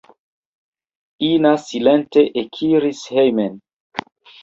Ina silente ekiris hejmen.